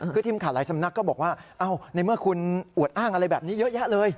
คือทีมข่าวหลายสำนักก็บอกว่าในเมื่อคุณอวดอ้างอะไรแบบนี้เยอะแยะเลย